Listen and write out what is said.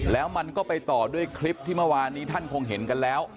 แล้วมันก็ไปต่อด้วยคลิปที่เมื่อวานนี้ท่านคงเห็นกันแล้ว